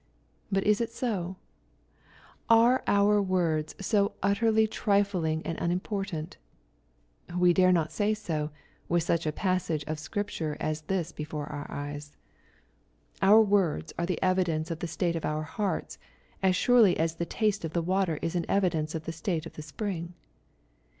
But is it so ? Are our words so utterly trifling and unimportant ? We dare not say so, with such a passage of Scripture as this before our eyes. Our words are the evidence of the state of our hearts, as surely as the taste of the water is an evidence of the state of the spring.